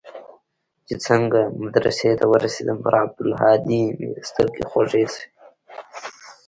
چې څنگه مدرسې ته ورسېدم پر عبدالهادي مې سترګې خوږې سوې.